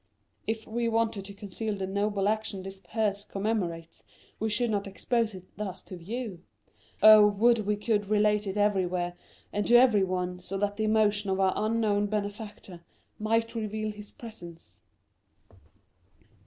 If we wanted to conceal the noble action this purse commemorates, we should not expose it thus to view. Oh, would we could relate it everywhere, and to everyone, so that the emotion of our unknown benefactor might reveal his presence."